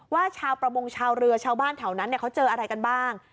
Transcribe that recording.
ชาวประมงชาวเรือชาวบ้านแถวนั้นเขาเจออะไรกันบ้าง